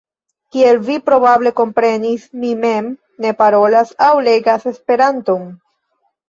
Kiel vi probable komprenis, mi mem ne parolas aŭ legas Esperanton.